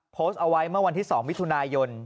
โพสต์เอาไว้เมื่อวันที่๒มิถุนายน